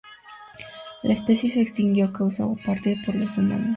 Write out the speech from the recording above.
La especie se extinguió a causa, o en parte, por los humanos.